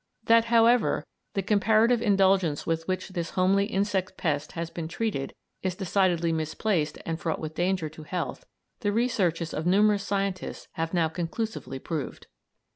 That however, the comparative indulgence with which this homely insect pest has been treated is decidedly misplaced and fraught with danger to health, the researches of numerous scientists have now conclusively proved.